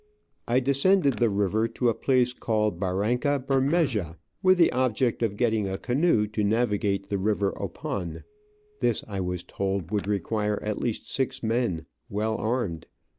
I descended the river to a MILTOmA VEJCILLARIA. place called Barranca bermeja, with the object of getting a canoe to navigate the river Opon. This, I was told, would require at least six men, well armed.